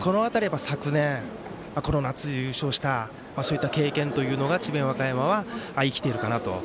この辺り、昨年この夏優勝したそういった経験というのが智弁和歌山は生きているかなと。